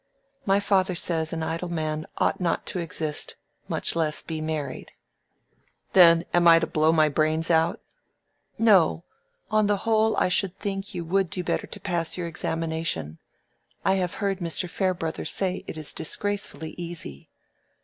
My father says an idle man ought not to exist, much less, be married." "Then I am to blow my brains out?" "No; on the whole I should think you would do better to pass your examination. I have heard Mr. Farebrother say it is disgracefully easy."